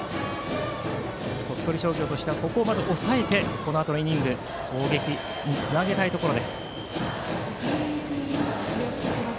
鳥取商業としてはここをまず抑えてこのあとの攻撃につなげたいところ。